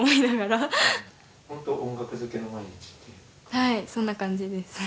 はいそんな感じです。